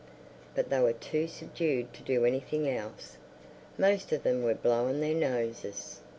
But they were too subdued to do anything else. Most of them were blowing their noses.